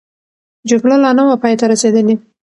جګړه لا نه وه پای ته رسېدلې.